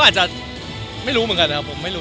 ก็อาจจะไม่รู้เหมือนกันครับ